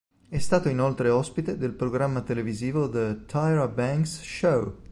È stato inoltre ospite del programma televisivo "The Tyra Banks Show".